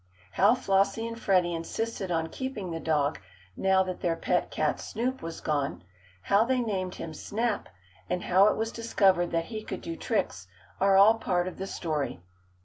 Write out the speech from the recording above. How Flossie and Freddie insisted on keeping the dog, now that their pet cat Snoop was gone, how they named him Snap, and how it was discovered that he could do tricks, are all part of the story.